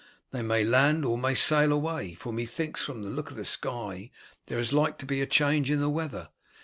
They may land or may sail away, for methinks from the look of the sky there is like to be a change in the weather.